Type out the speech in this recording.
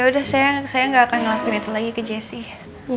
ya udah saya gak akan ngelakuin itu lagi ke jessi ya